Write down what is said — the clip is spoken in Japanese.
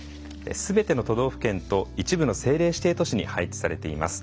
すべての都道府県と一部の政令指定都市に配置されています。